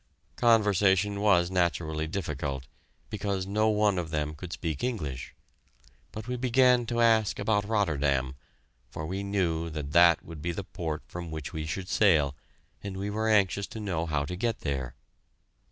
Conversation was naturally difficult, because no one of them could speak English, but we began to ask about Rotterdam, for we knew that that would be the port from which we should sail, and we were anxious to know how to get there.